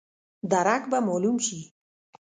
درک به مالوم شي.